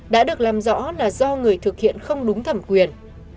đã được làm rõ là do người thực hiện không đúng thẩm quyền